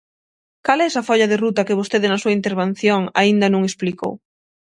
¿Cal é esa folla de ruta que vostede na súa intervención aínda non explicou?